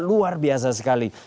luar biasa sekali